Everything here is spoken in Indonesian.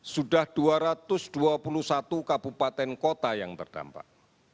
sudah dua ratus dua puluh satu kabupaten kota yang terdampak